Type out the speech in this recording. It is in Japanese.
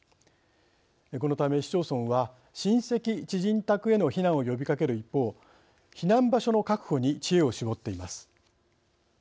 このため市町村は親戚・知人宅への避難を呼びかける一方避難場所の確保に知恵を絞っています。